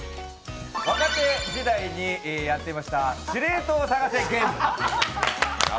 若手時代にやってました「司令塔を探せゲーム」。